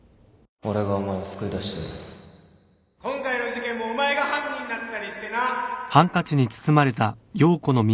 今回の事件もお前が犯人だったりしてな